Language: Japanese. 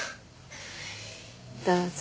どうぞ。